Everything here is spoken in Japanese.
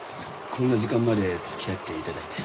こんな時間まで付き合って頂いて。